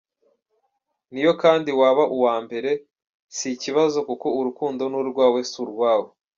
Niyo kandi waba uwa mbere, si ikibazo kuko urukundo ni urwawe si urwabo.